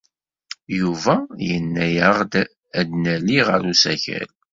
Yuba yenna-aɣ-d ad nali ɣer usakal.